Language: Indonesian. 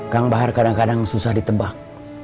kang bahar kadang kadang susah ditebak